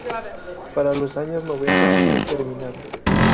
Para los años noventa es terminado.